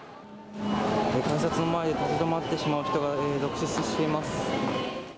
改札の前で立ち止まってしまう人が続出しています。